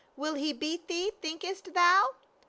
Will he beat thee, thinkest thou